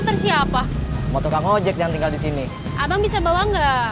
tapi tuang ngojeknya ga ada mbak